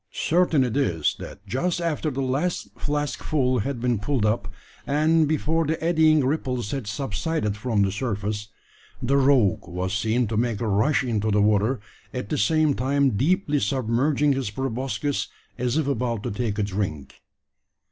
Certain it is, that just after the last flask full had been pulled up, and before the eddying ripples had subsided from the surface, the rogue was seen to make a rush into the water, at the same time deeply submerging his proboscis, as if about to take a drink.